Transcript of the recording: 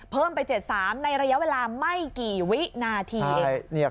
เพิ่มไป๗๓ในระยะเวลาไม่กี่วินาที